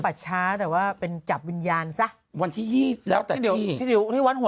หลังปัชช้าแต่ว่าเป็นจับวิญญาณซะวันที่ยี่แล้วแต่ที่ที่เดี๋ยวที่วันหัว